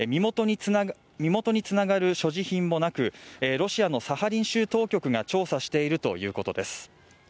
身元につながる所持品もなく、ロシアのサハリン州当局が調査しているということです。